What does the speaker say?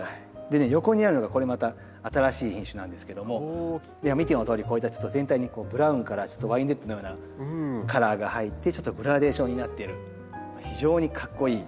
でね横にあるのがこれまた新しい品種なんですけども見てのとおりこういった全体にブラウンからワインレッドのようなカラーが入ってちょっとグラデーションになっている非常にかっこいい。